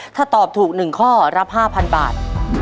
ถ้าตอบถูก๑ข้อรับ๕๐๐บาท